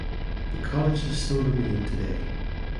The cottages still remain today.